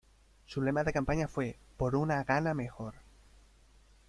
Su lema de campaña fue "Por una Ghana mejor".